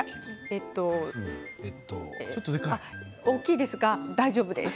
えーと大きいですが大丈夫です。